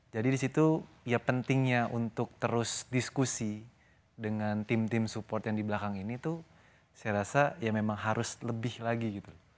jadi di situ ya pentingnya untuk terus diskusi dengan tim tim support yang di belakang ini tuh saya rasa ya memang harus lebih lagi gitu